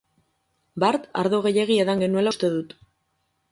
Bart ardo gehiegi edan genuela uste dut.